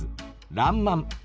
「らんまん」。